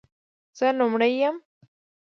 زه لومړۍ یم،